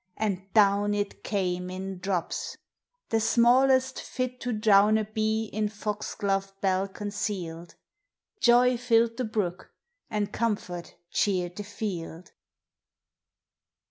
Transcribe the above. And down it came in drops the smallest tit To drown a bee in fox glove bell concealed; Joy filled the brook, and comfort cheered the held.